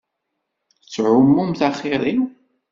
Tettɛummumt axiṛ-iw.